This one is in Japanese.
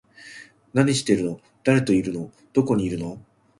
何してるの？誰といるの？どこにいるの？